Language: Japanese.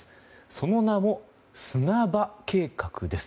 その名も砂場計画です。